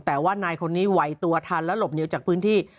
แต่ว่านายคนนี้ไหวตัวทันและหลบหนีจากพื้นที่